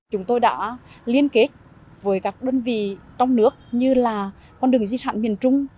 chúng tôi đã liên kết với các đơn vị trong nước như là con đường di sản miền trung